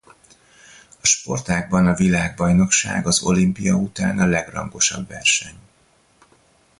A sportágban a világbajnokság az olimpia után a legrangosabb verseny.